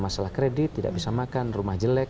masalah kredit tidak bisa makan rumah jelek